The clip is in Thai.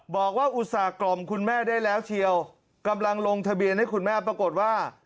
อุตส่าหกล่อมคุณแม่ได้แล้วเชียวกำลังลงทะเบียนให้คุณแม่ปรากฏว่า